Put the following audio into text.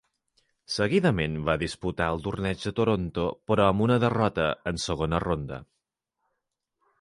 Seguidament va disputar el torneig de Toronto però amb una derrota en segona ronda.